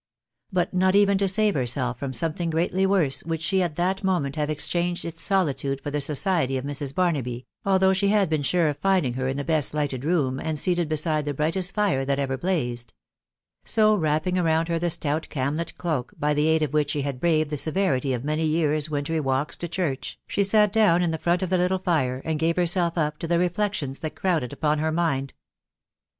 But not even to save herself from some* thing greatly worse, would she at that moment have exchanged its solitude for the society of Mrs. Barnaby, although she had been sure of finding her in the best lighted room, and seated beside the brightest fire that ever blazed. So, wrapping around her the stout camlet cloak, by the aid of which *\xe\wl\Kvre& THE WIDOW BABNABY. 53 the severity of many years' wintry walks to church, she sat down in the front of the little fire, and gave herself up to the reflections that crowded upon her mind.